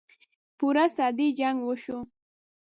پوره صدۍ جـنګ وشو.